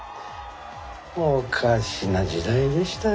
おかしな時代でしたよ。